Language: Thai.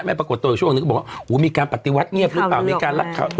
ไม่ปรากฏตัวอยู่ช่วงนึงก็บอกว่ามีการปฏิวัติเงียบหรือเปล่า